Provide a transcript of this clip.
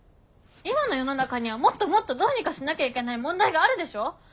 今の世の中にはもっともっとどうにかしなきゃいけない問題があるでしょ！